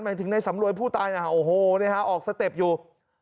ถึงในสำรวยผู้ตายนะฮะโอ้โหออกสเต็ปอยู่